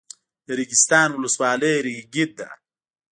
د ریګستان ولسوالۍ ریګي ده